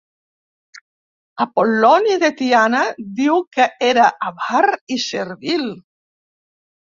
Apol·loni de Tiana diu que era avar i servil.